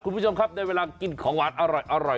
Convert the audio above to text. คุณผู้ชมครับในเวลากินของหวานอร่อย